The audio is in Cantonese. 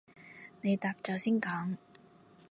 你答咗先講